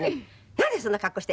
「なんでそんな格好して！